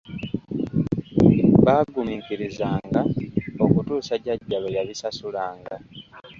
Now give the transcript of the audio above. Baaguminkirizanga okutuusa jjajja lwe yabisasulanga.